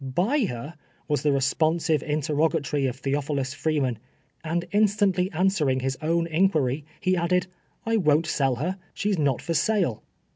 Buy her ?" was the respon sive interrogatory of Theophilus Freeman. And in stantly answering his own inquiry, he added, '' I won't sell her. She's not for sale.